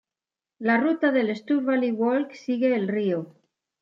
La ruta del Stour Valley Walk sigue el río.